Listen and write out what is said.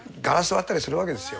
割ったりするわけですよ